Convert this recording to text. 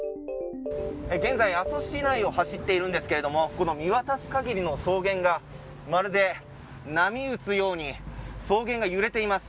現在、阿蘇市内を走っているんですけれどもこの見渡す限りの草原がまるで波打つように草原が揺れています。